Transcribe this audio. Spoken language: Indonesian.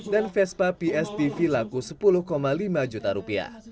dan vespa pstv laku sepuluh lima juta rupiah